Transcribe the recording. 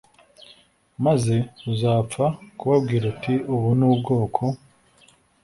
Maze uzapfe kubabwira uti Ubu ni ubwoko